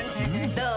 どう？